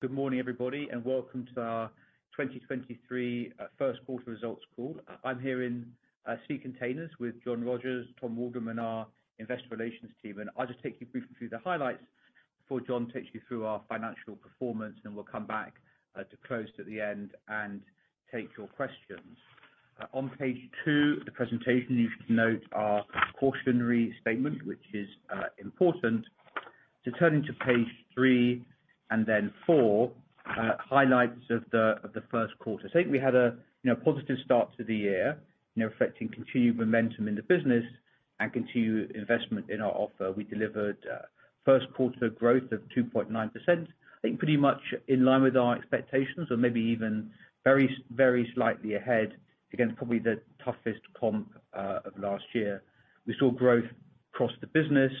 Good morning, everybody, welcome to our 2023 first quarter results call. I'm here in Sea Containers with John Rogers, Tom Waldron, and our investor relations team. I'll just take you briefly through the highlights before John takes you through our financial performance, and we'll come back to close to the end and take your questions. On page two of the presentation, you should note our cautionary statement, which is important. Turning to page three and then four, highlights of the first quarter. I think we had a, you know, positive start to the year. You know, reflecting continued momentum in the business and continued investment in our offer. We delivered first quarter growth of 2.9%. I think pretty much in line with our expectations or maybe even very, very slightly ahead against probably the toughest comp of last year. We saw growth across the business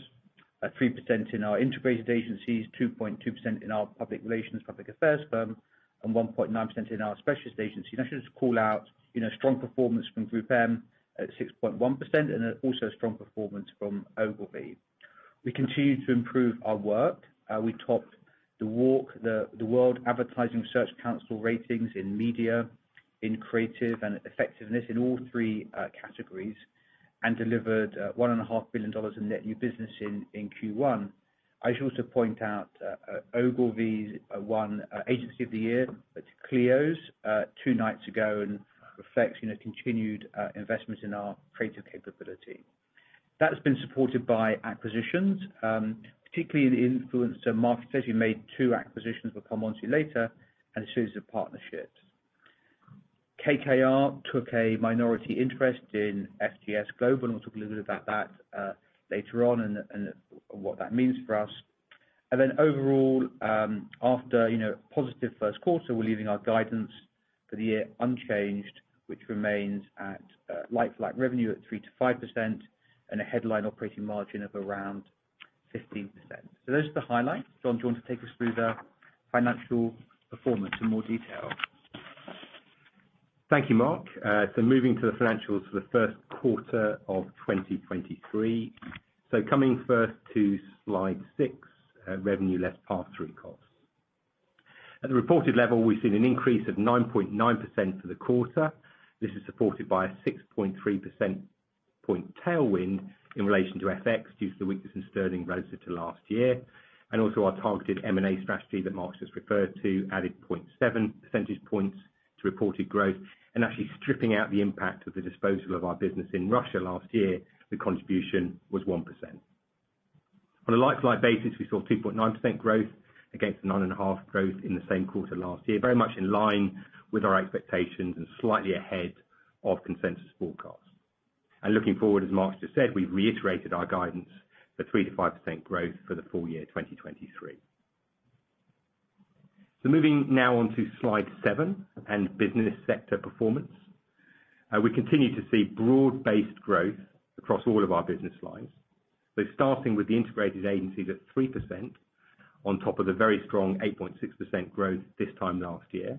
at 3% in our integrated agencies, 2.2% in our public relations, public affairs firm, and 1.9% in our specialist agency. I just call out, you know, strong performance from GroupM at 6.1%, and then also strong performance from Ogilvy. We continue to improve our work. We topped the World Advertising Research Centre ratings in media, in creative and effectiveness in all three categories, and delivered one and a half billion dollars in net new business in Q1. I should also point out, Ogilvy's won agency of the year at Clio's, two nights ago and reflects, you know, continued investment in our creative capability. That has been supported by acquisitions, particularly in the influencer market as we made two acquisitions we'll come onto later and a series of partnerships. KKR took a minority interest in FGS Global, and we'll talk a little bit about that later on and what that means for us. Overall, after, you know, positive first quarter, we're leaving our guidance for the year unchanged, which remains at like-for-like revenue at 3%-5% and a headline operating margin of around 15%. Those are the highlights. John, do you want to take us through the financial performance in more detail? Thank you, Mark. Moving to the financials for the first quarter of 2023. Coming first to slide six, revenue less pass-through costs. At the reported level, we've seen an increase of 9.9% for the quarter. This is supported by a 6.3 percentage point tailwind in relation to FX due to the weakness in sterling relative to last year. Also our targeted M&A strategy that Mark just referred to added 0.7 percentage points to reported growth and actually stripping out the impact of the disposal of our business in Russia last year, the contribution was 1%. On a like-for-like basis, we saw 2.9% growth against the 9.5% growth in the same quarter last year, very much in line with our expectations and slightly ahead of consensus forecasts. Looking forward, as Mark just said, we've reiterated our guidance for 3%-5% growth for the full year 2023. Moving now on to slide seven and business sector performance. We continue to see broad-based growth across all of our business lines. Starting with the integrated agencies at 3% on top of the very strong 8.6% growth this time last year.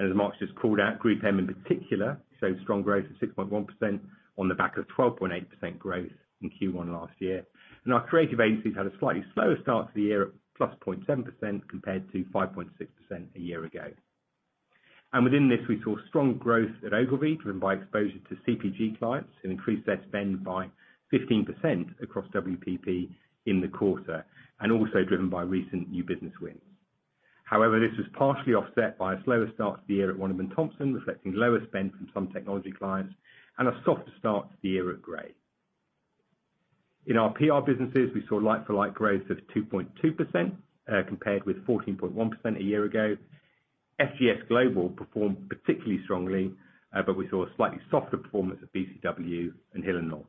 As Mark just called out, GroupM in particular, showed strong growth of 6.1% on the back of 12.8% growth in Q1 last year. Our creative agencies had a slightly slower start to the year at +0.7% compared to 5.6% a year ago. Within this, we saw strong growth at Ogilvy, driven by exposure to CPG clients who increased their spend by 15% across WPP in the quarter and also driven by recent new business wins. However, this was partially offset by a slower start to the year at Wunderman Thompson, reflecting lower spend from some technology clients and a softer start to the year at Grey. In our PR businesses, we saw like-for-like growth of 2.2% compared with 14.1% a year ago. FGS Global performed particularly strongly, we saw a slightly softer performance at BCW and Hill & Knowlton.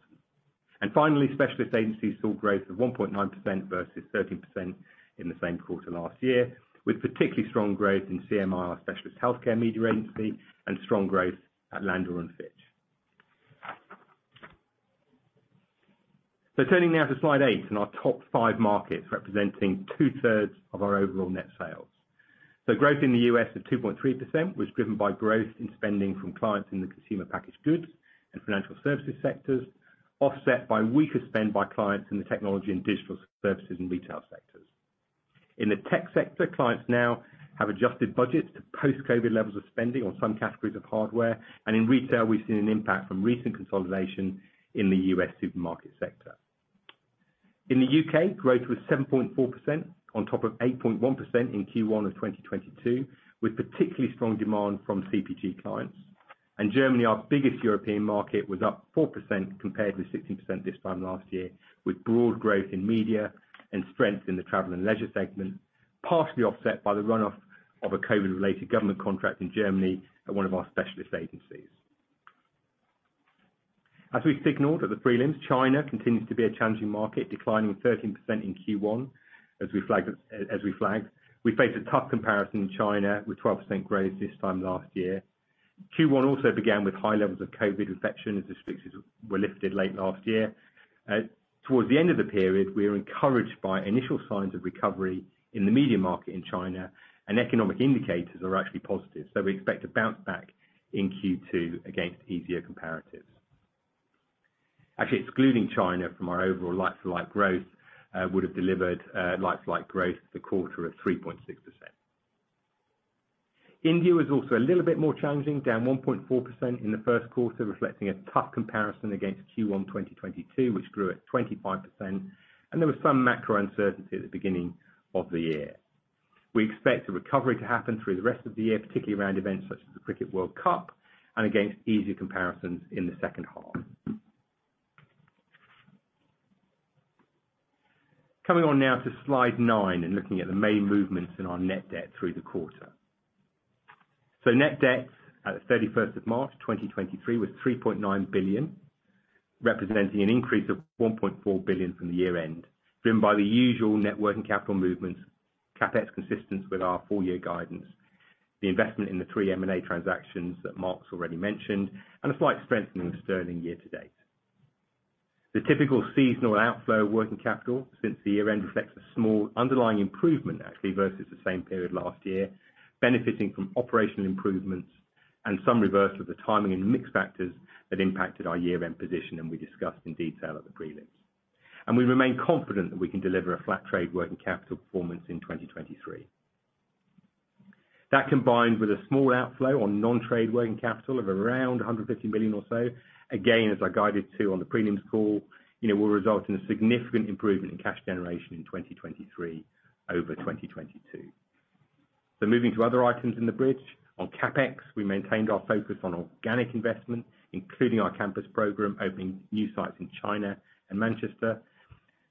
Finally, specialist agencies saw growth of 1.9% versus 13% in the same quarter last year, with particularly strong growth in CMI, our specialist healthcare media agency, and strong growth at Landor & Fitch. Turning now to slide eight and our top five markets representing two-thirds of our overall net sales. Growth in the U.S. of 2.3% was driven by growth in spending from clients in the consumer packaged goods and financial services sectors, offset by weaker spend by clients in the technology and digital services and retail sectors. In the tech sector, clients now have adjusted budgets to post-COVID levels of spending on some categories of hardware, and in retail we've seen an impact from recent consolidation in the U.S. supermarket sector. In the U.K., growth was 7.4% on top of 8.1% in Q1 of 2022, with particularly strong demand from CPG clients. Germany, our biggest European market, was up 4% compared with 16% this time last year, with broad growth in media and strength in the travel and leisure segment, partially offset by the run-off of a COVID-related government contract in Germany at one of our specialist agencies. As we signaled at the prelims, China continues to be a challenging market, declining 13% in Q1, as we flagged. We face a tough comparison in China with 12% growth this time last year. Q1 also began with high levels of COVID infection as restrictions were lifted late last year. Towards the end of the period, we are encouraged by initial signs of recovery in the media market in China and economic indicators are actually positive. We expect to bounce back in Q2 against easier comparatives. Excluding China from our overall like-for-like growth would have delivered like-for-like growth for the quarter of 3.6%. India was also a little bit more challenging, down 1.4% in the first quarter, reflecting a tough comparison against Q1 2022, which grew at 25%, and there was some macro uncertainty at the beginning of the year. We expect the recovery to happen through the rest of the year, particularly around events such as the Cricket World Cup and against easier comparisons in the second half. Coming on now to slide nine and looking at the main movements in our net debt through the quarter. Net debt at the 31st of March, 2023 was 3.9 billion, representing an increase of 1.4 billion from the year end, driven by the usual net working capital movements, CapEx consistent with our full year guidance, the investment in the three M&A transactions that Mark's already mentioned, and a slight strengthening of sterling year to date. The typical seasonal outflow of working capital since the year end reflects a small underlying improvement actually versus the same period last year, benefiting from operational improvements and some reversal of the timing and mix factors that impacted our year-end position, and we discussed in detail at the prelims. We remain confident that we can deliver a flat trade working capital performance in 2023. That combined with a small outflow on non-trade working capital of around 150 million or so, again, as I guided to on the prelims call, you know, will result in a significant improvement in cash generation in 2023 over 2022. Moving to other items in the bridge. On CapEx, we maintained our focus on organic investment, including our campus program, opening new sites in China and Manchester.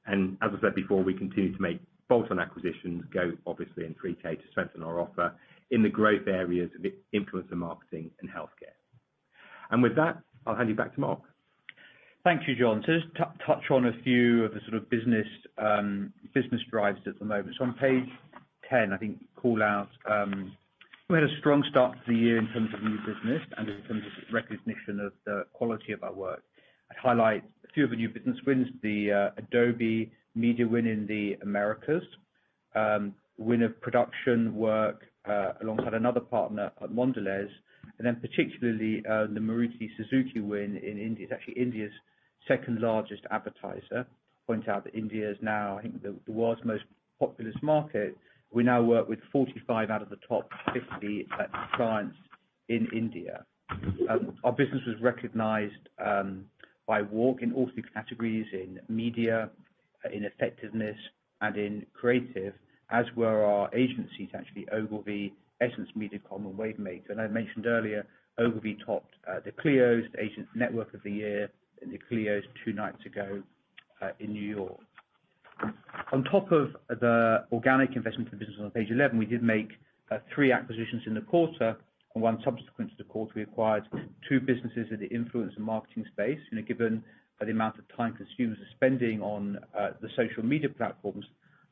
As I said before, we continue to make bolt-on acquisitions go obviously in FGS Global to strengthen our offer in the growth areas of influencer marketing and healthcare. With that, I'll hand you back to Mark. Thank you, John. Just to touch on a few of the sort of business drives at the moment. On page 10, I think you call out, we had a strong start to the year in terms of new business and in terms of recognition of the quality of our work. I'd highlight a few of the new business wins, the Adobe media win in the Americas, win of production work alongside another partner at Mondelēz, and then particularly the Maruti Suzuki win in India. It's actually India's second largest advertiser. Point out that India is now, I think, the world's most populous market. We now work with 45 out of the top 50 clients in India. Our business was recognized by WARC in all three categories, in media, in effectiveness, and in creative, as were our agencies, actually, Ogilvy, EssenceMediacom, and Wavemaker. I mentioned earlier, Ogilvy topped the Clio's Agent Network of the Year in the Clio's two nights ago in New York. On top of the organic investment for the business on page 11, we did make three acquisitions in the quarter, and one subsequent to the quarter. We acquired two businesses in the influencer marketing space. You know, given the amount of time consumers are spending on the social media platforms,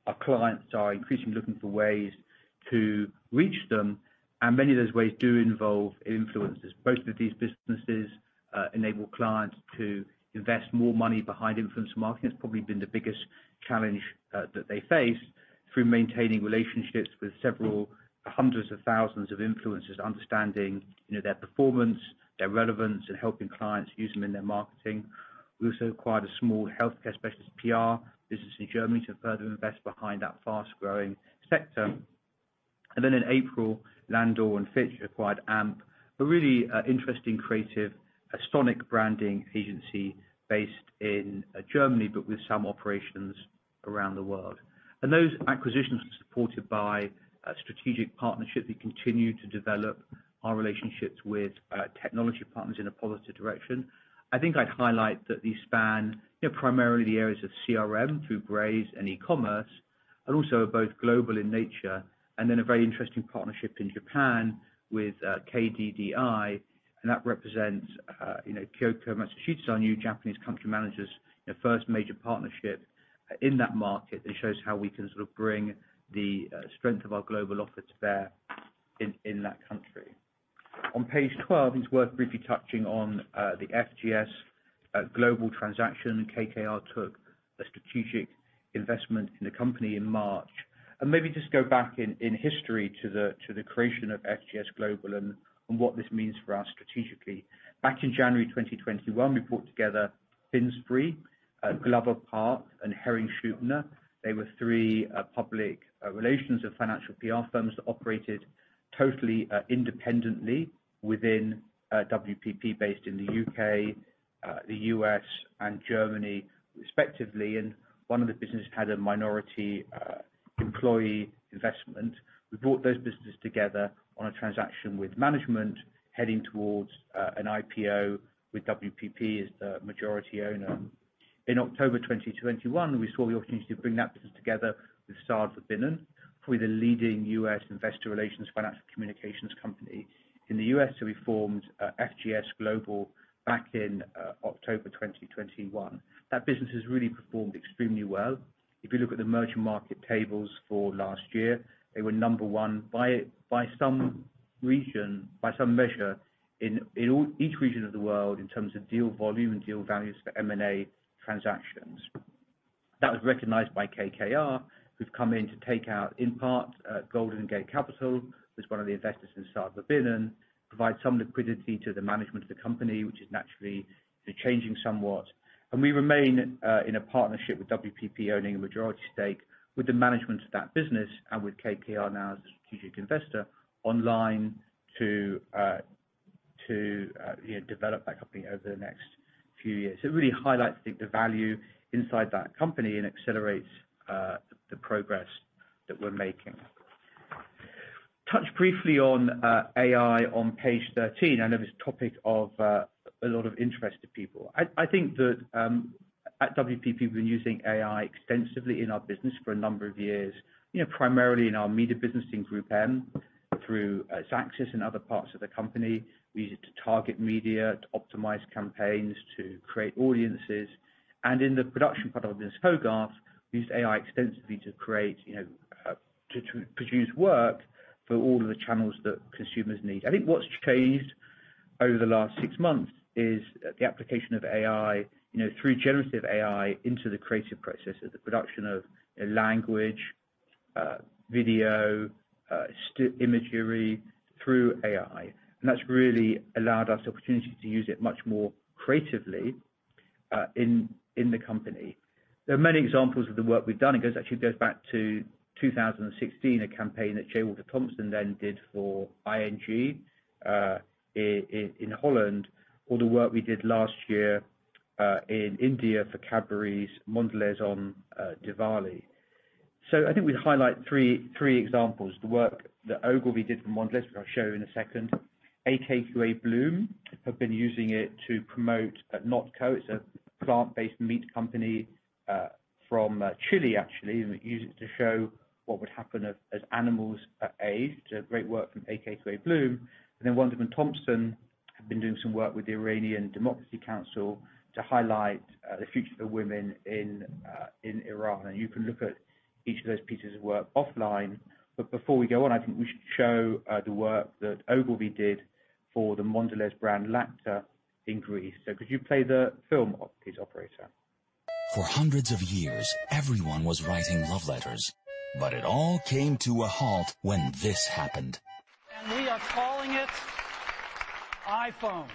our clients are increasingly looking for ways to reach them, and many of those ways do involve influencers. Both of these businesses enable clients to invest more money behind influencer marketing. It's probably been the biggest challenge that they face through maintaining relationships with several hundreds of thousands of influencers, understanding, you know, their performance, their relevance, and helping clients use them in their marketing. We also acquired a small healthcare specialist PR business in Germany to further invest behind that fast-growing sector. In April, Landor & Fitch acquired amp, a really interesting creative sonic branding agency based in Germany, but with some operations around the world. Those acquisitions are supported by a strategic partnership. We continue to develop our relationships with technology partners in a positive direction. I think I'd highlight that these span primarily the areas of CRM through Braze and e-commerce, and also are both global in nature, and then a very interesting partnership in Japan with KDDI. That represents, you know, Kyoko Matsushita, our new Japanese country manager's, you know, first major partnership in that market and shows how we can sort of bring the strength of our global offer to bear in that country. On page 12, it's worth briefly touching on the FGS Global transaction. KKR took a strategic investment in the company in March. Maybe just go back in history to the creation of FGS Global and what this means for us strategically. Back in January 2021, we brought together Finsbury, Glover Park, and Hering Schuppener. They were three public relations of financial PR firms that operated totally independently within WPP based in the U.K., the U.S., and Germany, respectively. One of the businesses had a minority employee investment. We brought those businesses together on a transaction with management heading towards an IPO with WPP as the majority owner. In October 2021, we saw the opportunity to bring that business together with Sard Verbinnen, probably the leading US investor relations financial communications company. In the US, we formed FGS Global back in October 2021. That business has really performed extremely well. If you look at the merger market tables for last year, they were number 1 by some region, by some measure in each region of the world in terms of deal volume and deal values for M&A transactions. That was recognized by KKR, who've come in to take out, in part, Golden Gate Capital. It was one of the investors since the start of the business. Provide some liquidity to the management of the company, which is naturally be changing somewhat. We remain in a partnership with WPP owning a majority stake with the management of that business and with KKR now as a strategic investor online to, you know, develop that company over the next few years. It really highlights the value inside that company and accelerates the progress that we're making. Touch briefly on AI on page 13. I know this topic of a lot of interest to people. I think that, at WPP, we've been using AI extensively in our business for a number of years, you know, primarily in our media business in GroupM through Xaxis and other parts of the company. We use it to target media, to optimize campaigns, to create audiences. In the production part of the business, Hogarth, we use AI extensively to produce work for all of the channels that consumers need. I think what's changed over the last six months is the application of AI, you know, through generative AI into the creative process of the production of a language, video, imagery through AI. That's really allowed us the opportunity to use it much more creatively in the company. There are many examples of the work we've done. Actually, it goes back to 2016, a campaign that J. Walter Thompson then did for ING in Holland, all the work we did last year in India for Cadbury's Mondelēz on Diwali. I think we'd highlight three examples. The work that Ogilvy did for Mondelēz, which I'll show you in a second. AKQA Bloom have been using it to promote NotCo. It's a plant-based meat company, from Chile, actually, and use it to show what would happen if as animals are aged. Great work from AKQA Bloom. Wunderman Thompson have been doing some work with the Iranian Democracy Council to highlight the future of the women in Iran. You can look at each of those pieces of work offline. Before we go on, I think we should show the work that Ogilvy did for the Mondelēz brand, Lacta, in Greece. Could you play the film please, operator? For hundreds of years, everyone was writing love letters, but it all came to a halt when this happened. We are calling it iPhone.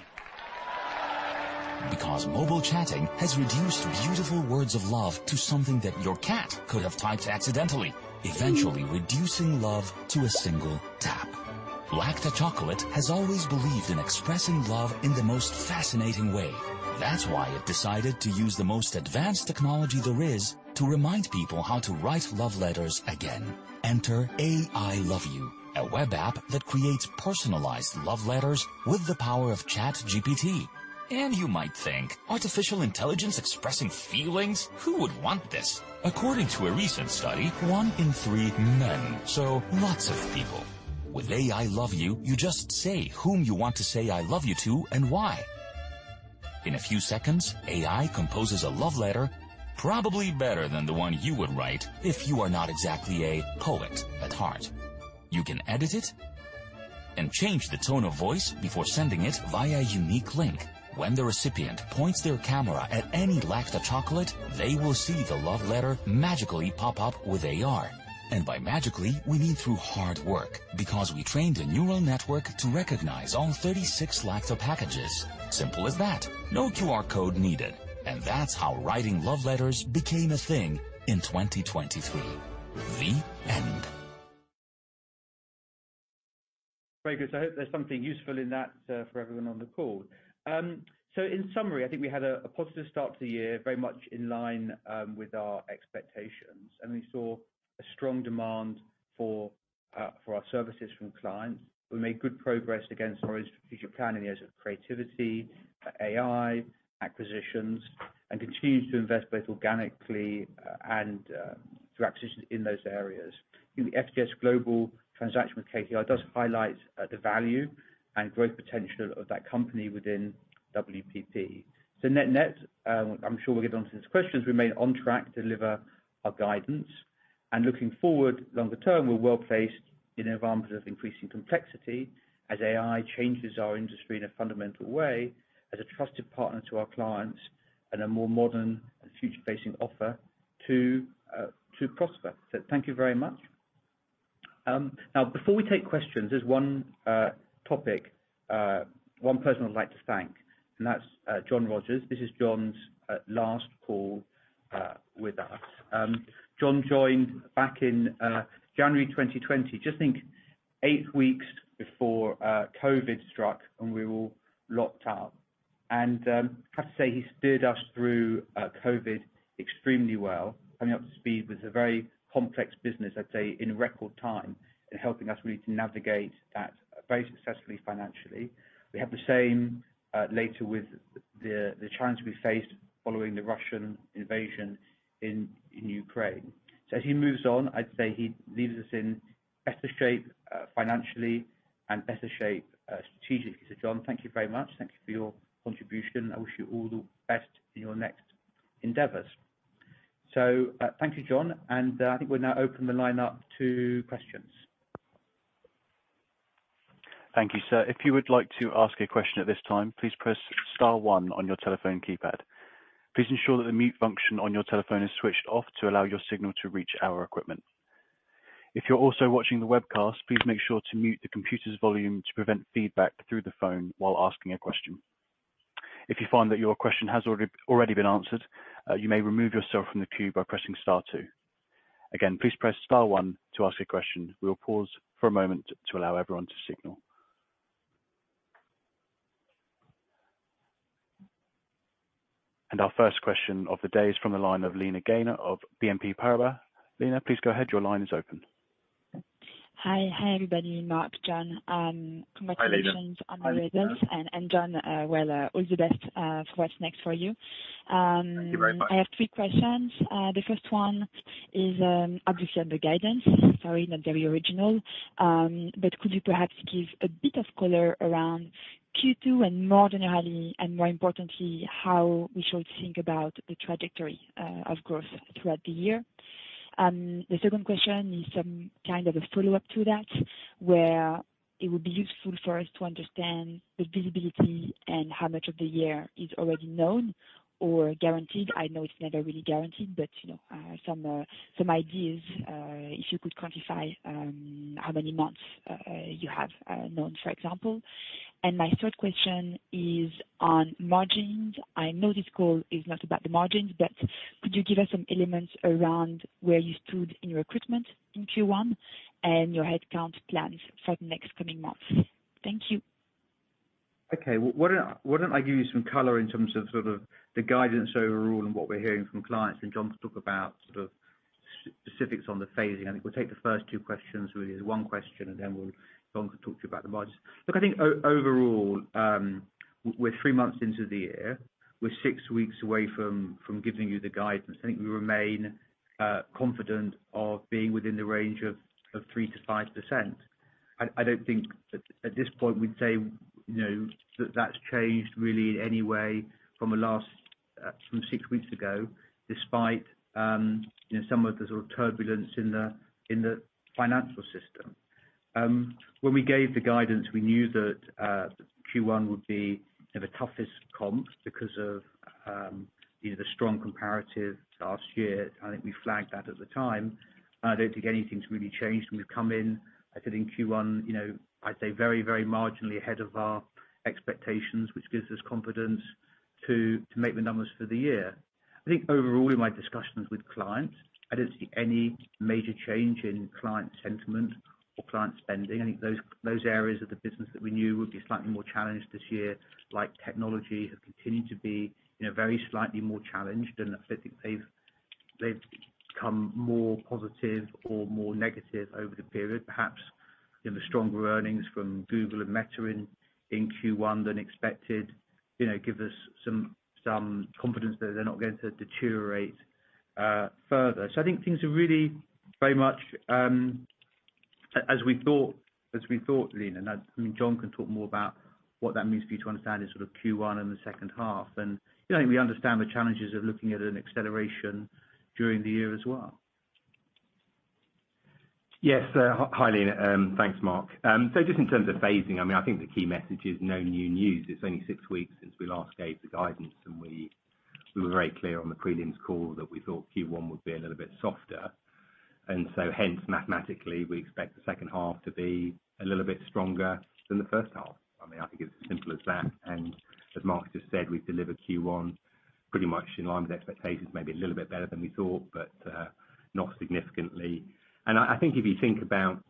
Because mobile chatting has reduced beautiful words of love to something that your cat could have typed accidentally, eventually reducing love to a single tap. Lacta Chocolate has always believed in expressing love in the most fascinating way. That's why it decided to use the most advanced technology there is to remind people how to write love letters again. Enter AI Love You, a web app that creates personalized love letters with the power of ChatGPT. You might think, artificial intelligence expressing feelings? Who would want this? According to a recent study, one in three men, so lots of people. With AI Love You, you just say whom you want to say I love you to and why. In a few seconds, AI composes a love letter probably better than the one you would write if you are not exactly a poet at heart. You can edit it and change the tone of voice before sending it via a unique link. When the recipient points their camera at any Lacta chocolate, they will see the love letter magically pop up with AR. By magically, we mean through hard work because we trained a neural network to recognize all 36 Lacta packages. Simple as that. No QR code needed. That's how writing love letters became a thing in 2023. The end. Very good. I hope there's something useful in that for everyone on the call. In summary, I think we had a positive start to the year, very much in line with our expectations. We saw a strong demand for our services from clients. We made good progress against our strategic plan in the areas of creativity, AI, acquisitions, and continued to invest both organically and through acquisitions in those areas. The FGS Global transaction with KKR does highlight the value and growth potential of that company within WPP. Net-net, I'm sure we'll get onto these questions, we remain on track to deliver our guidance. Looking forward longer term, we're well-placed in environments of increasing complexity as AI changes our industry in a fundamental way as a trusted partner to our clients and a more modern and future-facing offer to prosper. Thank you very much. Now, before we take questions, there's one topic, one person I'd like to thank, and that's John Rogers. This is John's last call with us. John joined back in January 2020. Just think, eight weeks before COVID struck and we were all locked up. I have to say, he steered us through COVID extremely well, coming up to speed with a very complex business, I'd say, in record time and helping us really to navigate that very successfully financially. We have the same, later with the challenge we faced following the Russian invasion in Ukraine. As he moves on, I'd say he leaves us in better shape financially and better shape strategically. John, thank you very much. Thank you for your contribution. I wish you all the best in your next endeavors. Thank you, John. I think we'll now open the line up to questions. Thank you, sir. If you would like to ask a question at this time, please press star one on your telephone keypad. Please ensure that the mute function on your telephone is switched off to allow your signal to reach our equipment. If you're also watching the webcast, please make sure to mute the computer's volume to prevent feedback through the phone while asking a question. If you find that your question has already been answered, you may remove yourself from the queue by pressing star two. Again, please press star one to ask a question. We will pause for a moment to allow everyone to signal. Our first question of the day is from the line of Lina Ghayor of BNP Paribas. Lina, please go ahead. Your line is open. Hi, everybody. Mark, John. Hi, Lina. -on the results. John, well, all the best for what's next for you. Thank you very much. I have three questions. The first one is, obviously on the guidance. Sorry, not very original. Could you perhaps give a bit of color around Q2 and more generally, and more importantly, how we should think about the trajectory of growth throughout the year? The second question is some kind of a follow-up to that, where it would be useful for us to understand the visibility and how much of the year is already known or guaranteed. I know it's never really guaranteed, but, you know, some ideas, if you could quantify how many months you have known, for example. My third question is on margins. I know this call is not about the margins, but could you give us some elements around where you stood in your recruitment in Q1 and your headcount plans for the next coming months? Thank you. Okay. Well, why don't I give you some color in terms of sort of the guidance overall and what we're hearing from clients, John can talk about specifics on the phasing. I think we'll take the first two questions, really as one question, John can talk to you about the margins. Look, I think overall, we're three months into the year. We're six weeks away from giving you the guidance. I think we remain confident of being within the range of 3%-5%. I don't think at this point we'd say, you know, that that's changed really in any way from the last from six weeks ago, despite, you know, some of the sort of turbulence in the financial system. When we gave the guidance, we knew that Q1 would be one of the toughest comps because of, you know, the strong comparative to last year. I think we flagged that at the time. I don't think anything's really changed. When we've come in, I said in Q1, you know, I'd say very, very marginally ahead of our expectations, which gives us confidence to make the numbers for the year. I think overall, in my discussions with clients, I don't see any major change in client sentiment or client spending. I think those areas of the business that we knew would be slightly more challenged this year, like technology, have continued to be, you know, very slightly more challenged. I don't think they've become more positive or more negative over the period. Perhaps, you know, the stronger earnings from Google and Meta in Q1 than expected, you know, give us some confidence that they're not going to deteriorate further. I think things are really very much as we thought, Lina. I mean, John can talk more about what that means for you to understand in sort of Q1 and the second half. You know, we understand the challenges of looking at an acceleration during the year as well. Yes, hi, Lina. Thanks, Mark. Just in terms of phasing, I mean, I think the key message is no new news. It's only six weeks since we last gave the guidance, and we were very clear on the prelims call that we thought Q1 would be a little bit softer. Hence, mathematically, we expect the second half to be a little bit stronger than the first half. I mean, I think it's as simple as that. As Mark just said, we've delivered Q1 pretty much in line with expectations, maybe a little bit better than we thought, but not significantly. I think if you think about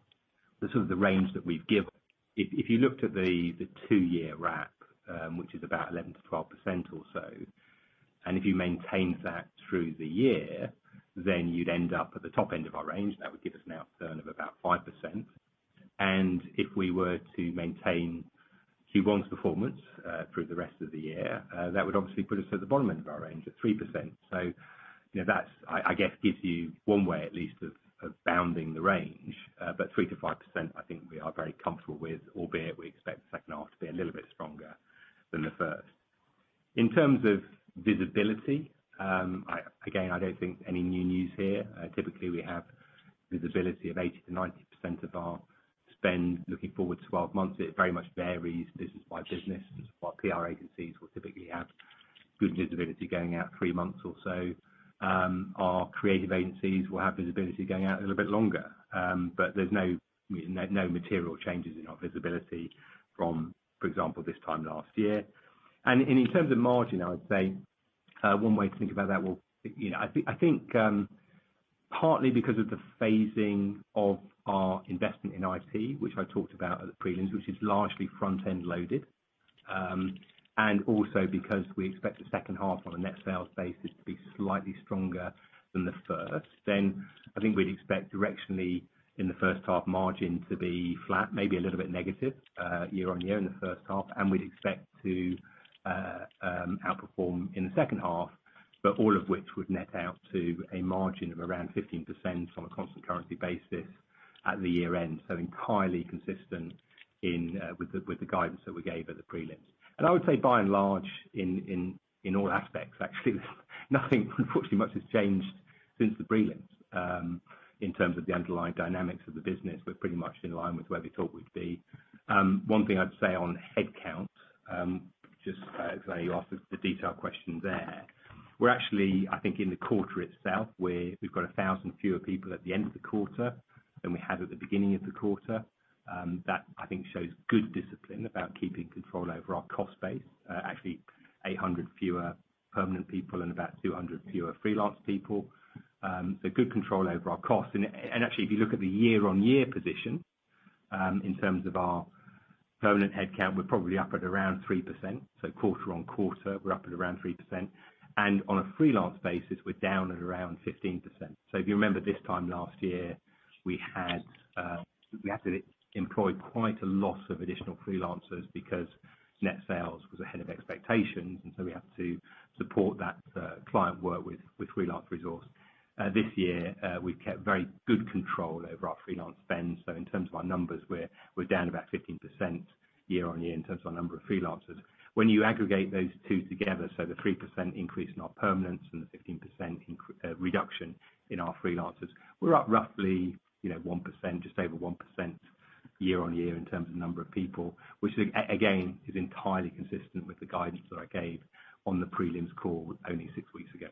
the sort of the range that we've given, if you looked at the two-year CAGR, which is about 11%-12% or so, and if you maintained that through the year, then you'd end up at the top end of our range. That would give us an outturn of about 5%. If we were to maintain Q1's performance through the rest of the year, that would obviously put us at the bottom end of our range at 3%. You know, that's, I guess, gives you one way at least of bounding the range. But 3%-5%, I think we are very comfortable with, albeit we expect the second half to be a little bit stronger than the first. In terms of visibility, I, again, I don't think any new news here. Typically we have visibility of 80%-90% of our spend looking forward 12 months. It very much varies business by business. Our PR agencies will typically have good visibility going out three months or so. Our creative agencies will have visibility going out a little bit longer. There's no, you know, no material changes in our visibility from, for example, this time last year. In terms of margin, I would say, one way to think about that, well, you know, I think, partly because of the phasing of our investment in IT, which I talked about at the prelims, which is largely front-end loaded, and also because we expect the second half on a net sales basis to be slightly stronger than the first, then I think we'd expect directionally in the first half margin to be flat, maybe a little bit negative, year-on-year in the first half, and we'd expect to outperform in the second half, but all of which would net out to a margin of around 15% on a constant currency basis at the year end. Entirely consistent with the guidance that we gave at the prelims. I would say by and large in all aspects actually nothing unfortunately much has changed. Since the prelims, in terms of the underlying dynamics of the business, we're pretty much in line with where we thought we'd be. One thing I'd say on headcount, just as you asked the detailed question there, we're actually, I think in the quarter itself, we've got 1,000 fewer people at the end of the quarter than we had at the beginning of the quarter. That I think shows good discipline about keeping control over our cost base. Actually 800 fewer permanent people and about 200 fewer freelance people. Good control over our costs. Actually, if you look at the year-over-year position, in terms of our permanent headcount, we're probably up at around 3%. Quarter-over-quarter, we're up at around 3%. On a freelance basis, we're down at around 15%. If you remember this time last year, we had to employ quite a lot of additional freelancers because net sales was ahead of expectations, we had to support that client work with freelance resource. This year, we've kept very good control over our freelance spend. In terms of our numbers, we're down about 15% year on year in terms of our number of freelancers. When you aggregate those two together, so the 3% increase in our permanents and the 15% reduction in our freelancers, we're up roughly, you know, 1%, just over 1% year-on-year in terms of number of people, which again, is entirely consistent with the guidance that I gave on the prelims call only six weeks ago.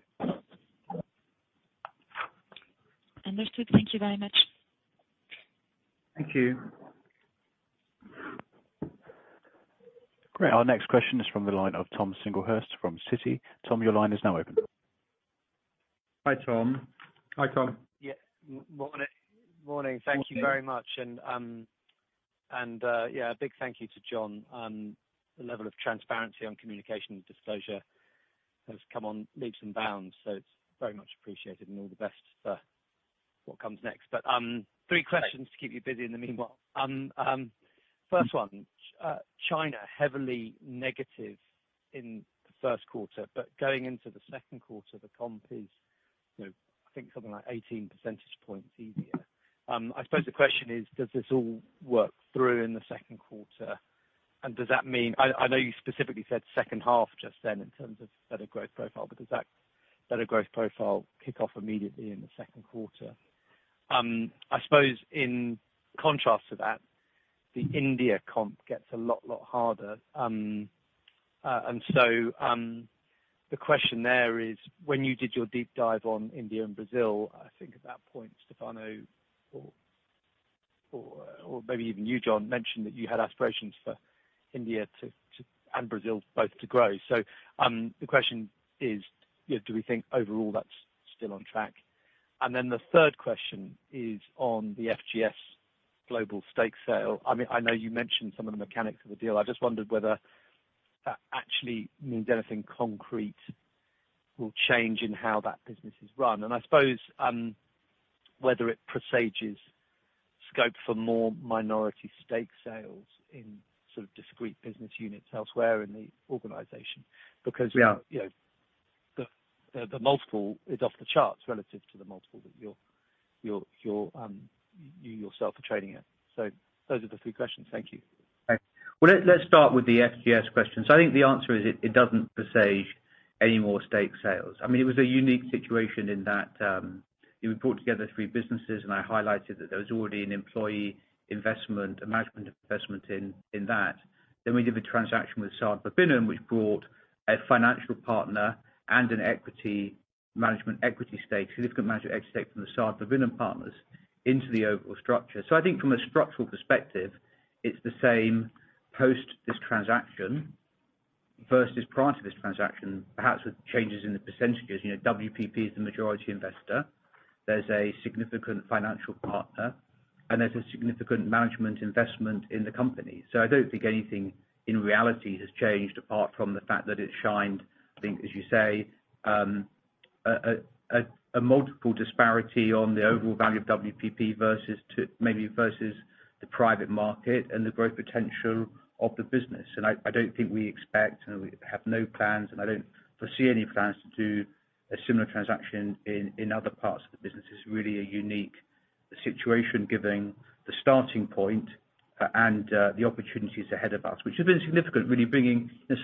Understood. Thank you very much. Thank you. Great. Our next question is from the line of Tom Singlehurst from Citi. Tom, your line is now open. Hi, Tom. Yeah. Morning. Morning. Thank you very much. Yeah, a big thank you to John on the level of transparency on communication and disclosure has come on leaps and bounds, so it's very much appreciated and all the best for what comes next. Three questions to keep you busy in the meanwhile. First one, China heavily negative in the first quarter, but going into the second quarter, the comp is, you know, I think something like 18 percentage points easier. I suppose the question is, does this all work through in the second quarter? Does that mean I know you specifically said second half just then in terms of better growth profile, but does that better growth profile kick off immediately in the second quarter? I suppose in contrast to that, the India comp gets a lot harder. The question there is, when you did your deep dive on India and Brazil, I think at that point, Stefano or maybe even you, John, mentioned that you had aspirations for India to and Brazil both to grow. The question is, you know, do we think overall that's still on track? The third question is on the FGS Global stake sale. I mean, I know you mentioned some of the mechanics of the deal. I just wondered whether that actually means anything concrete will change in how that business is run. I suppose whether it presages scope for more minority stake sales in sort of discrete business units elsewhere in the organization. Yeah... you know, the multiple is off the charts relative to the multiple that you yourself are trading at. Those are the three questions. Thank you. Let's start with the FGS question. I think the answer is it doesn't presage any more stake sales. I mean, it would brought together three businesses, and I highlighted that there was already an employee investment, a management investment in that. We did the transaction with Sard Verbinnen, which brought a financial partner and an equity, management equity stake, significant management equity stake from the Sard Verbinnen partners into the overall structure. I think from a structural perspective, it's the same post this transaction versus prior to this transaction, perhaps with changes in the percentages. You know, WPP is the majority investor. There's a significant financial partner, and there's a significant management investment in the company. I don't think anything in reality has changed apart from the fact that it shined, I think, as you say, a multiple disparity on the overall value of WPP versus maybe versus the private market and the growth potential of the business. I don't think we expect, and we have no plans, and I don't foresee any plans to do a similar transaction in other parts of the business. It's really a unique situation given the starting point and the opportunities ahead of us, which have been significant.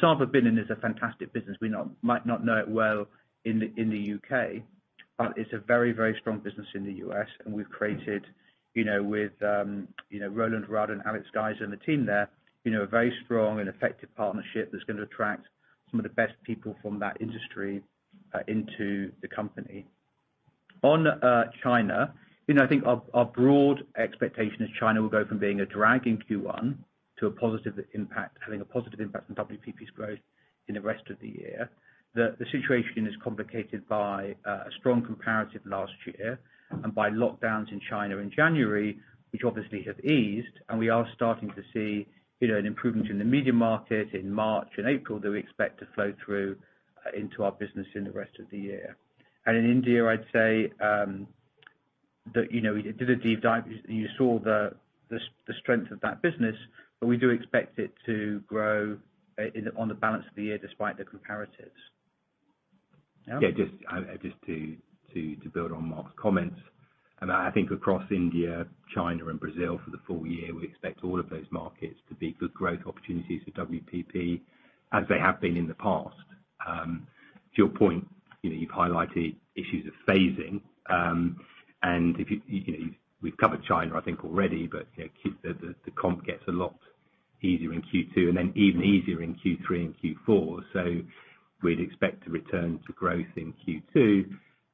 Sard Verbinnen is a fantastic business. We might not know it well in the U.K., but it's a very, very strong business in the U.S. We've created, you know, with, you know, Roland Rudd and Alex Geiser and the team there, you know, a very strong and effective partnership that's gonna attract some of the best people from that industry into the company. On China, you know, I think our broad expectation is China will go from being a drag in Q1 to having a positive impact on WPP's growth in the rest of the year. The situation is complicated by a strong comparative last year and by lockdowns in China in January, which obviously have eased, and we are starting to see, you know, an improvement in the media market in March and April that we expect to flow through into our business in the rest of the year. In India, I'd say, that, you know, we did a deep dive. You saw the strength of that business, but we do expect it to grow on the balance of the year despite the comparatives. Yeah. Yeah. Just to build on Mark's comments. I think across India, China, and Brazil for the full year, we expect all of those markets to be good growth opportunities for WPP as they have been in the past. To your point, you know, you've highlighted issues of phasing, and you know, we've covered China, I think already, but, you know, the comp gets a lot easier in Q2 and then even easier in Q3 and Q4. We'd expect to return to growth in Q2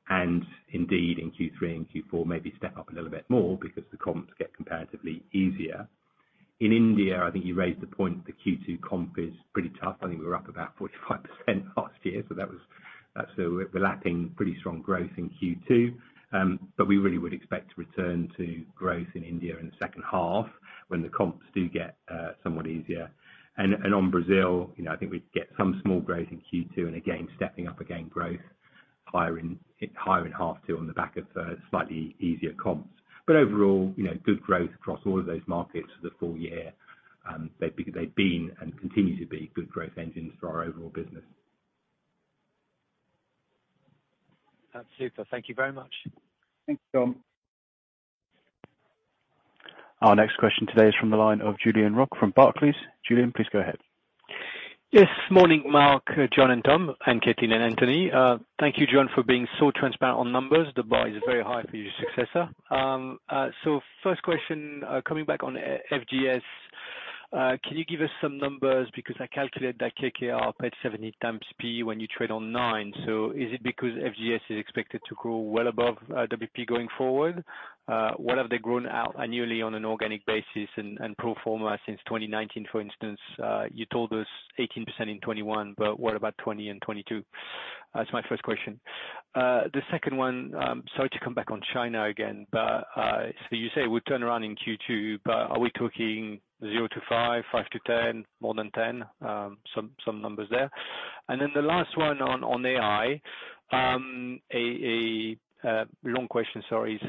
and indeed in Q3 and Q4, maybe step up a little bit more because the comps get comparatively easier. In India, I think you raised the point that Q2 comp is pretty tough. I think we were up about 45% last year, so that was. We're lapping pretty strong growth in Q2. We really would expect to return to growth in India in the second half when the comps do get somewhat easier. On Brazil, you know, I think we'd get some small growth in Q2 and again, stepping up again growth higher in, higher in half two on the back of slightly easier comps. Overall, you know, good growth across all of those markets for the full year. They've been and continue to be good growth engines for our overall business. That's super. Thank you very much. Thanks, Tom. Our next question today is from the line of Julien Roch from Barclays. Julien, please go ahead. Yes. Morning, Mark, John, and Tom, and Kathleen, and Anthony. Thank you, John, for being so transparent on numbers. The bar is very high for your successor. First question, coming back on FGS. Can you give us some numbers because I calculate that KKR paid 70 times P when you trade on nine. Is it because FGS is expected to grow well above WPP going forward? What have they grown out annually on an organic basis and pro forma since 2019, for instance? You told us 18% in 2021, but what about 2020 and '22? That's my first question. The second one, sorry to come back on China again, but you say we turn around in Q2, but are we talking 0-5, 5-10, more than 10? Some numbers there. The last one on AI, long question. Sorry.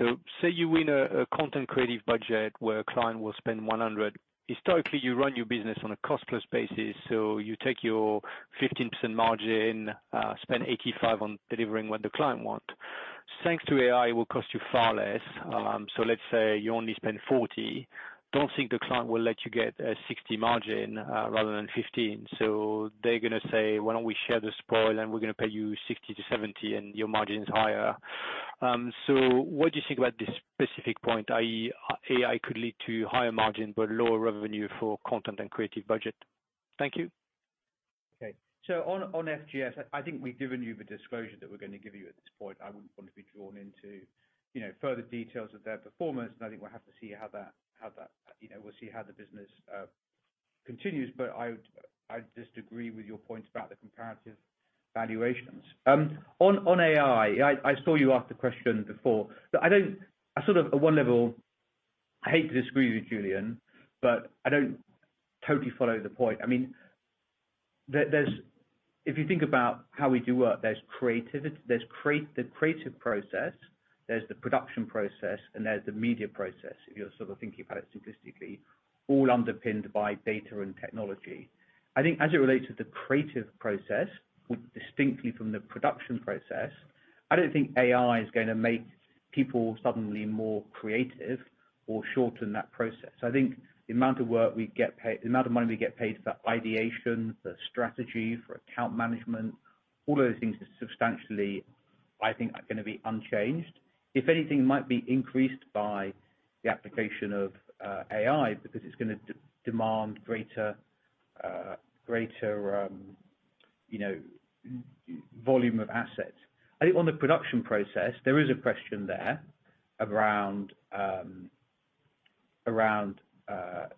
Say you win a content creative budget where a client will spend 100. Historically, you run your business on a cost-plus basis, so you take your 15% margin, spend 85 on delivering what the client want. Thanks to AI, it will cost you far less. Let's say you only spend 40. Don't think the client will let you get a 60 margin, rather than 15. They're gonna say, "Why don't we share the spoil, and we're gonna pay you 60-70, and your margin is higher." What do you think about this specific point, i.e., AI could lead to higher margin, but lower revenue for content and creative budget? Thank you. On, on FGS, I think we're gonna give you the disclosure that we're gonna give you at this point. I wouldn't want to be drawn into, you know, further details of their performance. I think we'll have to see how that, you know, we'll see how the business continues. I would, I just agree with your points about the comparative valuations. On, on AI, I saw you ask the question before. I don't. I sort of at one level, I hate to disagree with you, Julien, but I don't totally follow the point. I mean, there's. If you think about how we do work, there's creativity, there's the creative process, there's the production process, and there's the media process, if you're sort of thinking about it simplistically, all underpinned by data and technology. I think as it relates to the creative process, distinctly from the production process, I don't think AI is gonna make people suddenly more creative or shorten that process. I think the amount of work we get paid, the amount of money we get paid for ideation, for strategy, for account management, all those things are substantially, I think, are gonna be unchanged. If anything, it might be increased by the application of AI because it's gonna de-demand greater, you know, volume of assets. I think on the production process, there is a question there around,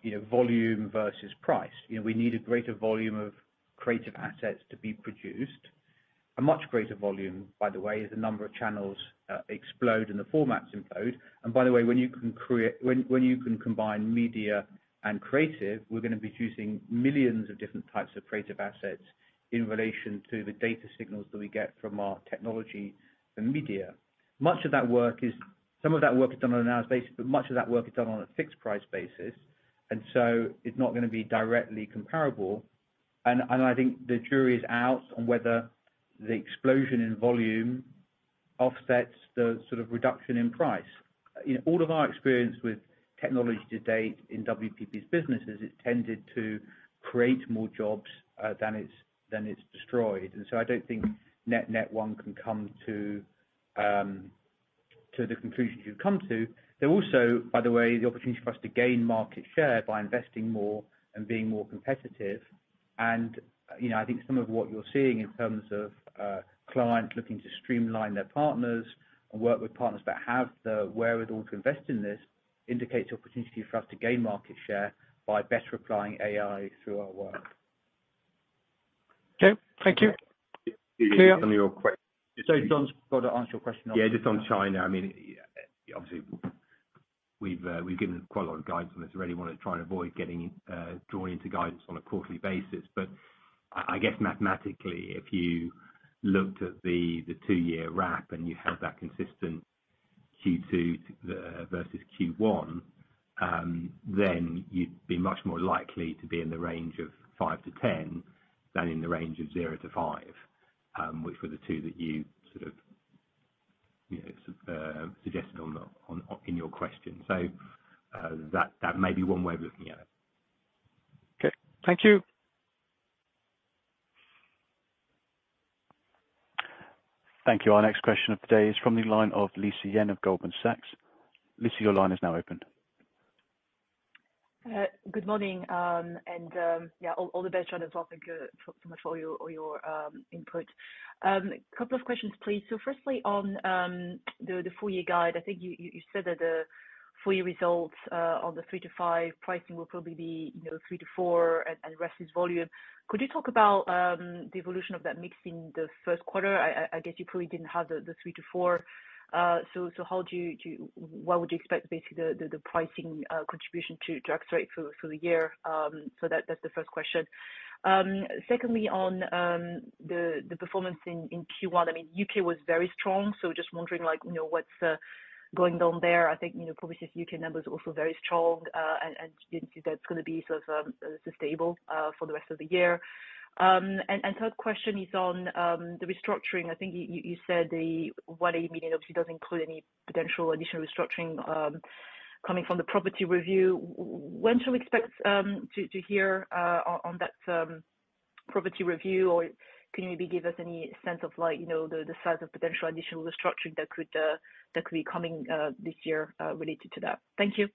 you know, volume versus price. You know, we need a greater volume of creative assets to be produced. A much greater volume, by the way, as the number of channels explode and the formats implode. By the way, when you can combine media and creative, we're gonna be producing millions of different types of creative assets in relation to the data signals that we get from our technology and media. Some of that work is done on an hours basis, much of that work is done on a fixed price basis, it's not gonna be directly comparable. I think the jury is out on whether the explosion in volume offsets the sort of reduction in price. You know, all of our experience with technology to date in WPP's businesses, it tended to create more jobs than it's destroyed. I don't think net-net one can come to the conclusions you've come to. There are also, by the way, the opportunity for us to gain market share by investing more and being more competitive. You know, I think some of what you're seeing in terms of clients looking to streamline their partners and work with partners that have the wherewithal to invest in this, indicates opportunity for us to gain market share by better applying AI through our work. Okay. Thank you. Clear. Some of your que- Sorry, John, forgot to answer your question. Yeah, just on China, I mean, obviously we've given quite a lot of guidance on this already, wanna try and avoid getting drawn into guidance on a quarterly basis. I guess mathematically, if you looked at the two-year wrap and you had that consistent Q2, versus Q1, then you'd be much more likely to be in the range of 5-10 than in the range of 0-5. Which were the two that you sort of, you know, suggested on, in your question. That may be one way of looking at it. Okay. Thank you. Thank you. Our next question of the day is from the line of Lisa Yang of Goldman Sachs. Lisa, your line is now open. Good morning. Yeah, all the best, John, as well. Thank you so much for all your input. A couple of questions, please. Firstly, on the full year guide, I think you said that the full year results on the 3-5 pricing will probably be, you know, 3-4 and the rest is volume. Could you talk about the evolution of that mix in the first quarter? I guess you probably didn't have the 3-4. How would you expect, basically, the pricing contribution to accelerate through the year? That's the first question. Secondly on the performance in Q1, UK was very strong. Just wondering what's going on there. I think probably since UK number is also very strong, do you think that's gonna be sort of sustainable for the rest of the year? Third question is on the restructuring. I think 1 million obviously doesn't include any potential additional restructuring coming from the property review. When should we expect to hear on that property review, or can you maybe give us any sense of the size of potential additional restructuring that could be coming this year related to that? Thank you.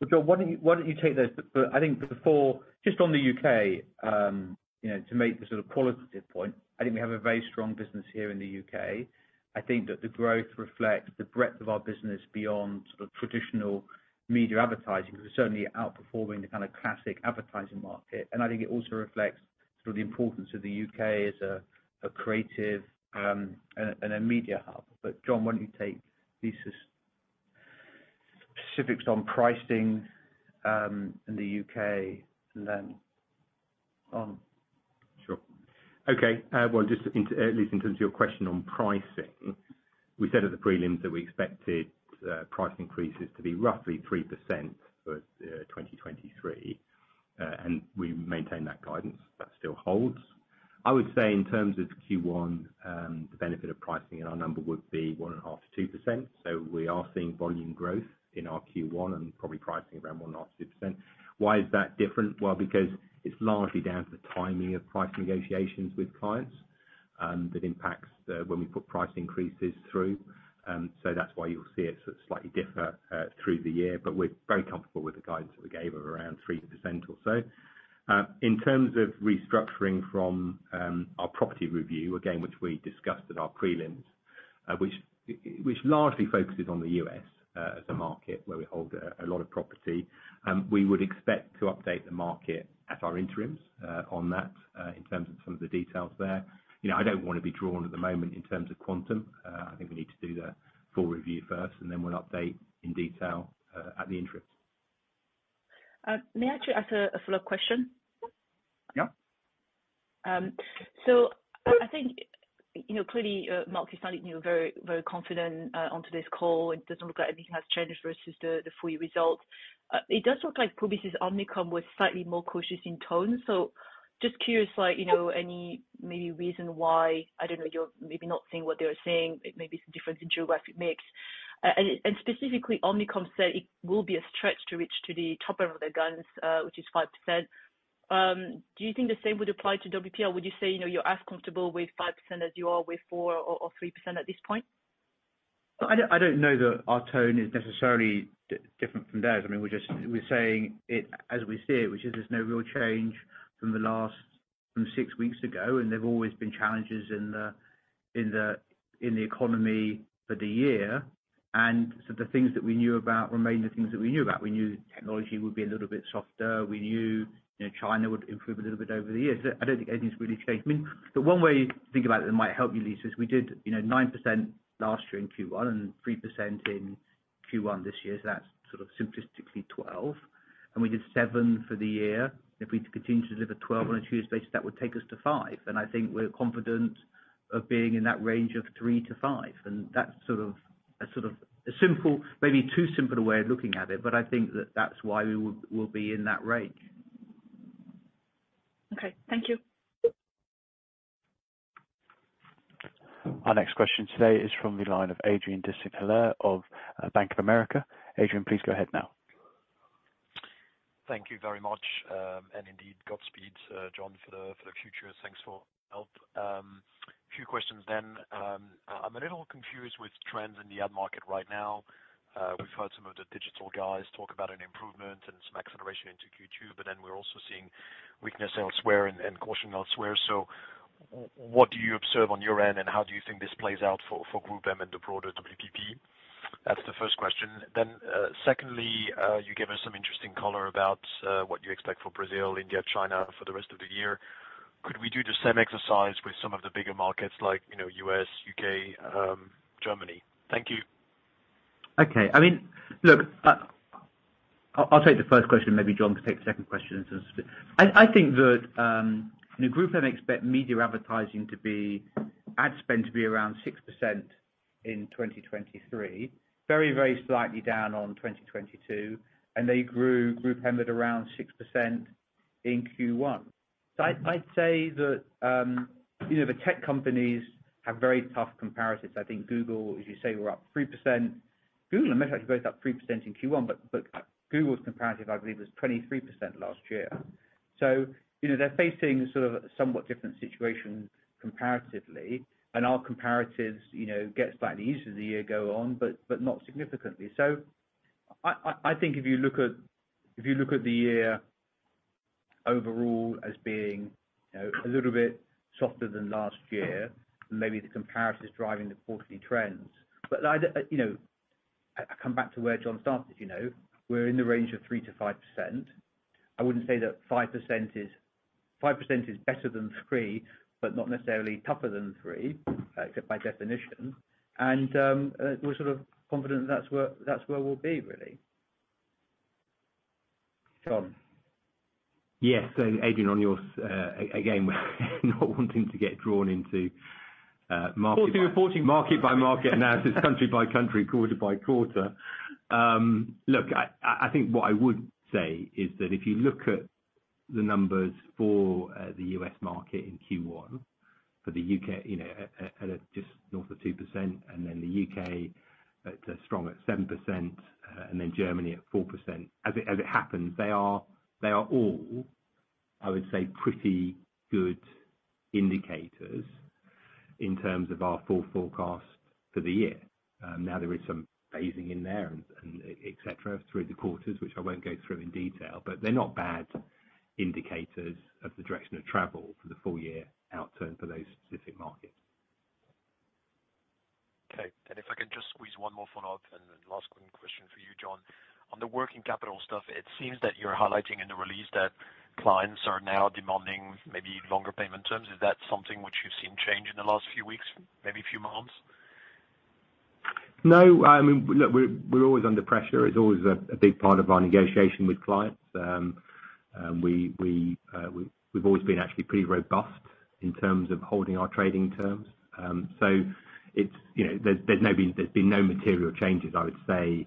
Well, John, why don't you take this? I think before, just on the U.K., you know, to make the sort of qualitative point, I think we have a very strong business here in the U.K. I think that the growth reflects the breadth of our business beyond sort of traditional media advertising, because we're certainly outperforming the kind of classic advertising market. I think it also reflects sort of the importance of the U.K. as a creative and a media hub. John, why don't you take Lisa Yang's specifics on pricing in the U.K. and then on. Sure. Okay. Well, just at least in terms of your question on pricing, we said at the prelims that we expected price increases to be roughly 3% for 2023. We maintain that guidance. That still holds. I would say in terms of Q1, the benefit of pricing in our number would be 1.5%-2%. We are seeing volume growth in our Q1 and probably pricing around 1.5%-2%. Why is that different? Well, because it's largely down to the timing of price negotiations with clients, that impacts when we put price increases through. That's why you'll see it sort of slightly differ through the year, but we're very comfortable with the guidance that we gave of around 3% or so. In terms of restructuring from our property review, again, which we discussed at our prelims, which largely focuses on the U.S., as a market where we hold a lot of property, we would expect to update the market at our interims on that in terms of some of the details there. You know, I don't wanna be drawn at the moment in terms of quantum. I think we need to do the full review first, and then we'll update in detail at the interims. May I actually ask a follow-up question? Yeah. I think, you know, clearly, Mark, you sounded, you know, very, very confident onto this call, and it doesn't look like anything has changed versus the full year results. It does look like Publicis, Omnicom was slightly more cautious in tone. Just curious, like, you know, any maybe reason why, I don't know, you're maybe not seeing what they were seeing, it may be some difference in geographic mix. Specifically Omnicom said it will be a stretch to reach to the top end of their guidance, which is 5%. Do you think the same would apply to WPP, or would you say, you know, you're as comfortable with 5% as you are with 4% or 3% at this point? I don't know that our tone is necessarily different from theirs. I mean, we're saying it as we see it, which is there's no real change from the last from six weeks ago. There've always been challenges in the economy for the year. The things that we knew about remain the things that we knew about. We knew technology would be a little bit softer. We knew, you know, China would improve a little bit over the years. I don't think anything's really changed. I mean, the one way to think about it that might help you, Lisa, is we did, you know, 9% last year in Q1 and 3% in Q1 this year. That's sort of simplistically 12. We did seven for the year. If we continue to deliver 12% on a two-year basis, that would take us to 5%. I think we're confident of being in that range of 3%-5%. That's sort of a simple, maybe too simple a way of looking at it, but I think that that's why we will be in that range. Okay. Thank you. Our next question today is from the line of Adrien de Saint Hilaire of Bank of America. Adrien, please go ahead now. Thank you very much. Indeed, godspeed, John, for the future. Thanks for your help. A few questions. I'm a little confused with trends in the ad market right now. We've heard some of the digital guys talk about an improvement and some acceleration into Q2, but we're also seeing weakness elsewhere and caution elsewhere. What do you observe on your end, and how do you think this plays out for GroupM and the broader WPP? That's the first question. Secondly, you gave us some interesting color about what you expect for Brazil, India, China for the rest of the year. Could we do the same exercise with some of the bigger markets like, you know, U.S., U.K., Germany? Thank you. Okay. I mean, look, I'll take the first question, maybe John can take the second question since it's. I think that, you know, GroupM expect media advertising ad spend to be around 6% in 2023. Very slightly down on 2022. They grew GroupM at around 6% in Q1. I'd say that, you know, the tech companies have very tough comparatives. I think Google, as you say, were up 3%. Google and Meta actually both up 3% in Q1. Look, Google's comparative, I believe, was 23% last year. You know, they're facing sort of somewhat different situation comparatively. Our comparatives, you know, gets slightly easier as the year go on, but not significantly. I think if you look at the year overall as being, you know, a little bit softer than last year, maybe the comparatives driving the quarterly trends. I'd, you know, I come back to where John started, you know. We're in the range of 3%-5%. I wouldn't say that 5% is better than 3%, but not necessarily tougher than 3% by definition. We're sort of confident that's where we'll be, really. John. Yes. So Adrian, on your s-- uh, a-again, not wanting to get drawn into, uh, market- Quarter reporting. Market by market analysis, country by country, quarter by quarter. Look, I think what I would say is that if you look at the numbers for the U.S. market in Q1 for the U.K., you know, at just north of 2%, then the U.K. at strong at 7%, then Germany at 4%. As it happens, they are all, I would say, pretty good indicators in terms of our full forecast for the year. Now there is some phasing in there, et cetera through the quarters, which I won't go through in detail, but they're not bad indicators of the direction of travel for the full year outcome for those specific markets. Okay. If I can just squeeze one more follow-up and then last one question for you, John. On the working capital stuff, it seems that you're highlighting in the release that clients are now demanding maybe longer payment terms. Is that something which you've seen change in the last few weeks, maybe few months? No. I mean, look, we're always under pressure. It's always a big part of our negotiation with clients. We've always been actually pretty robust in terms of holding our trading terms. It's, you know, there's been no material changes, I would say,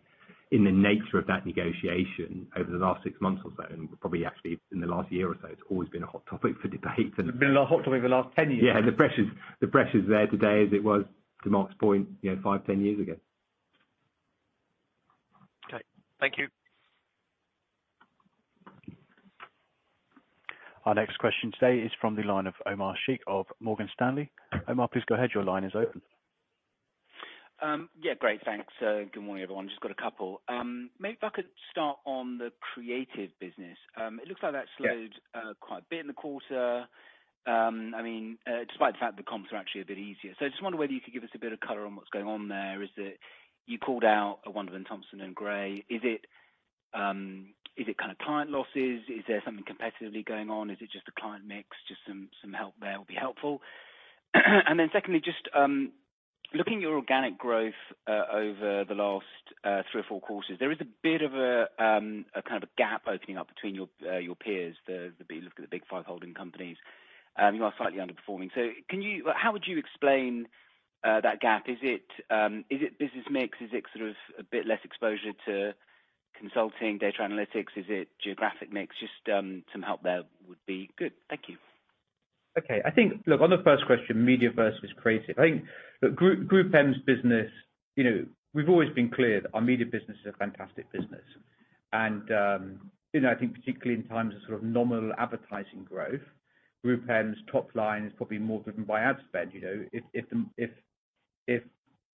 in the nature of that negotiation over the last six months or so, and probably actually in the last year or so. It's always been a hot topic for debate. It's been a hot topic the last 10 years. Yeah. The pressure's there today as it was, to Mark's point, you know, five, 10 years ago. Okay. Thank you. Our next question today is from the line of Omar Sheikh of Morgan Stanley. Omar, please go ahead. Your line is open. Yeah, great. Thanks. Good morning, everyone. Just got a couple. Maybe if I could start on the creative business. It looks like that slowed- Yeah. Quite a bit in the quarter. Despite the fact the comps are actually a bit easier. I just wonder whether you could give us a bit of color on what's going on there. Is it you called out Wunderman Thompson and Grey? Is it client losses? Is there something competitively going on? Is it just the client mix? Just some help there will be helpful. Secondly, just looking at your organic growth over the last three or four quarters, there is a bit of a gap opening up between your peers, look at the big five holding companies. You are slightly underperforming. How would you explain that gap? Is it business mix? Is it sort of a bit less exposure to consulting data analytics? Is it geographic mix? Just, some help there would be good. Thank you. On the first question, media versus creative. GroupM's business, you know, we've always been clear that our media business is a fantastic business. You know, I think particularly in times of sort of nominal advertising growth, GroupM's top line is probably more driven by ad spend, you know. If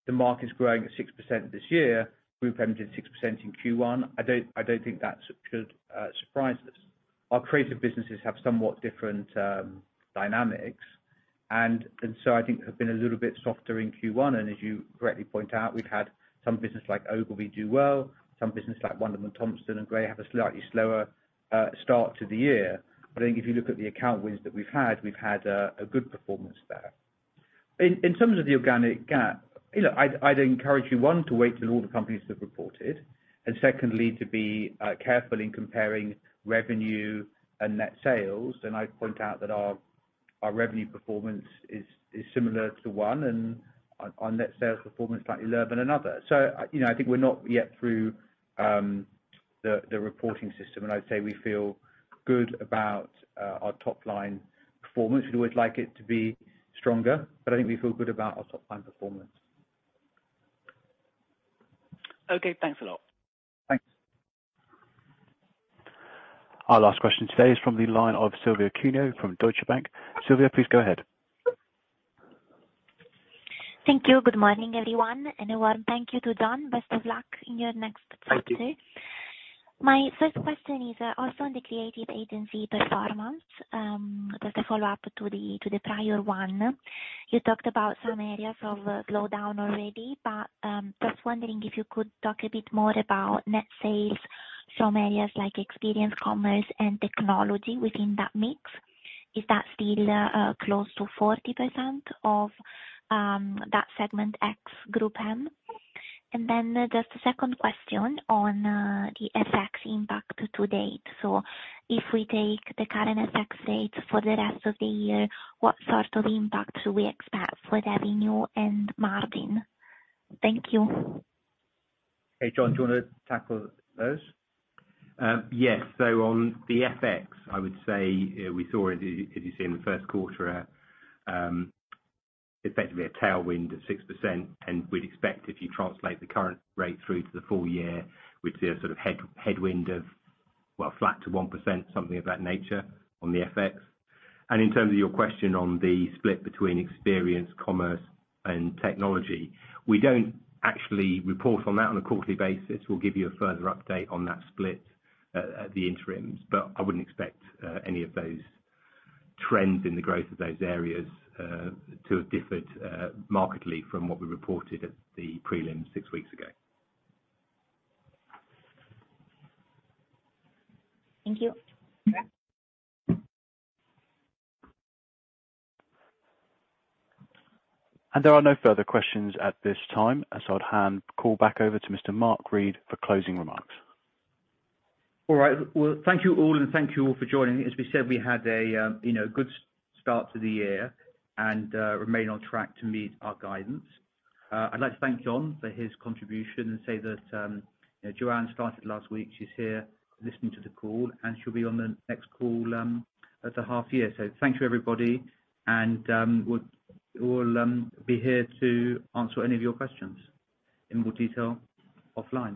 the market is growing at 6% this year, GroupM did 6% in Q1, I don't think that should surprise us. Our creative businesses have somewhat different dynamics. I think have been a little bit softer in Q1. As you correctly point out, we've had some business like Ogilvy do well. Some business like Wunderman Thompson and Grey have a slightly slower start to the year. I think if you look at the account wins that we've had, we've had a good performance there. In terms of the organic gap, you know, I'd encourage you, one, to wait till all the companies have reported. Secondly, to be careful in comparing revenue and net sales. I'd point out that our revenue performance is similar to one and our net sales performance slightly lower than another. You know, I think we're not yet through the reporting system, and I'd say we feel good about our top line performance. We'd always like it to be stronger, but I think we feel good about our top line performance. Okay, thanks a lot. Thanks. Our last question today is from the line of Silvia Cuneo from Deutsche Bank. Silvia, please go ahead. Thank you. Good morning, everyone. Warm thank you to John. Best of luck in your next pursuit. Thank you. My first question is also on the creative agency performance. Just a follow-up to the prior one. You talked about some areas of slowdown already, but just wondering if you could talk a bit more about net sales from areas like experience commerce and technology within that mix. Is that still close to 40% of that segment x GroupM? Just a second question on the FX impact to date. If we take the current FX rate for the rest of the year, what sort of impact do we expect for revenue and margin? Thank you. Hey, John, do you wanna tackle those? Yes. On the FX, I would say we saw, as you see in the first quarter, effectively a tailwind at 6%. We'd expect if you translate the current rate through to the full year, we'd see a sort of headwind of flat to 1%, something of that nature on the FX. In terms of your question on the split between experience, commerce, and technology, we don't actually report on that on a quarterly basis. We'll give you a further update on that split at the interims. I wouldn't expect any of those trends in the growth of those areas to have differed markedly from what we reported at the prelim six weeks ago. Thank you. Okay. There are no further questions at this time. I'd hand call back over to Mr. Mark Read for closing remarks. All right. Well, thank you all, and thank you all for joining. As we said, we had a, you know, good start to the year and remain on track to meet our guidance. I'd like to thank John for his contribution and say that, you know, Joanne started last week. She's here listening to the call, and she'll be on the next call at the half year. Thank you, everybody. We'll be here to answer any of your questions in more detail offline.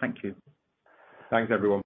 Thank you. Thanks, everyone.